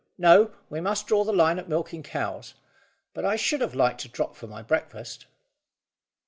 No; we must draw the line at milking cows. But I should have liked a drop for my breakfast."